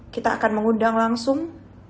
kita akan mengundang langsung